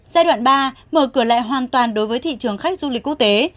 giai đoạn ba mở cửa lại hoàn toàn đối với thị trường khách du lịch quốc tế